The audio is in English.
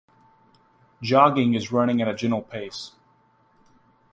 Jogging is running at a gentle pace.